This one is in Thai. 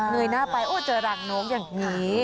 ยหน้าไปโอ้เจอรังนกอย่างนี้